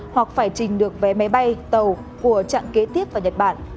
hoặc phải trình được vé máy bay tàu của trạm kế tiếp vào nhật bản